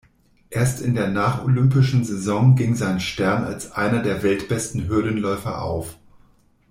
Erst in der nach-olympischen Saison ging sein Stern als einer der weltbesten Hürdenläufer auf.